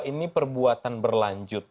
ini perbuatan berlanjut